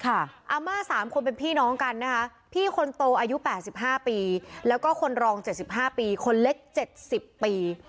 อาม่า๓คนเป็นพี่น้องกันนะคะพี่คนโตอายุ๘๕ปีแล้วก็คนรอง๗๕ปีคนเล็ก๗๐ปี